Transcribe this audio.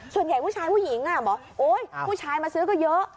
ส่วนใหญ่ผู้ชายผู้หญิงบอกโอ๊ยผู้ชายมาซื้อก็เยอะ